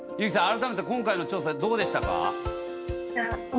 改めて今回の調査どうでしたか？